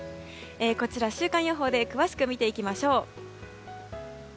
こちら週間予報で詳しく見ていきましょう。